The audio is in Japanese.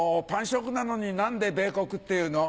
食なのに何で米国っていうの？